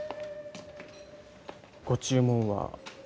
ご注文は。